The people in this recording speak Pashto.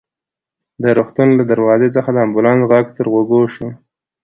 د روغتون له دروازې څخه د امبولانس غږ تر غوږو شو.